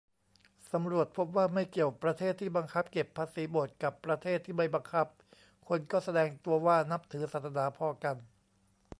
สำรวจพบว่าไม่เกี่ยว ประเทศที่บังคับเก็บภาษีโบสถ์กับประเทศที่ไม่บังคับ คนก็แสดงตัวว่านับถือศาสนาพอกัน